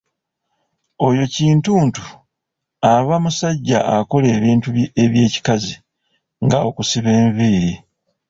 Oyo kintuntu aba musajja akola ebintu ebyekikazi nga okusiba enviiri.